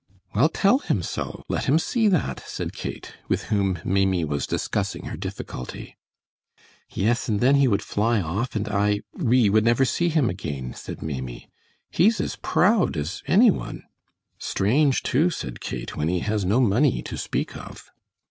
"Well, tell him so; let him see that," said Kate, with whom Maimie was discussing her difficulty. "Yes, and then he would fly off and I we would never see him again," said Maimie. "He's as proud as any one!" "Strange, too," said Kate, "when he has no money to speak of!"